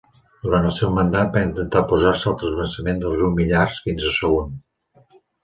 Durant el seu mandat va intentar oposar-se al transvasament del riu Millars fins a Sagunt.